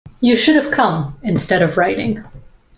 You should have come, instead of writing.